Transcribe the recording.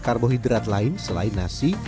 karbohidrat lain selain nasi